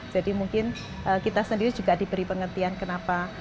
jadi mungkin kita sendiri juga diberi pengertian kenapa